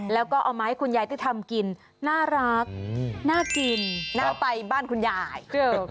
แล้วก็เอามาให้คุณยายที่ทำกินน่ารักน่ากินน่าไปบ้านคุณยาย